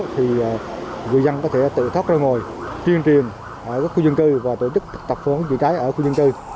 thì người dân có thể tự thoát ra ngồi truyền truyền ở các khu dân cư và tổ chức tập phóng diễn trái ở khu dân cư